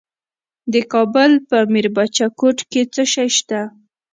د کابل په میربچه کوټ کې څه شی شته؟